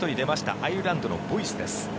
アイルランドのボイスです。